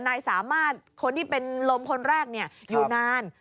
นายสามารถคนที่เป็นลมคนแรกอยู่นาน